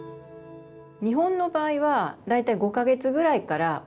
日本の場合は大体５か月ぐらいからお試しをして。